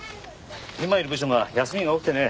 今いる部署が休みが多くてね。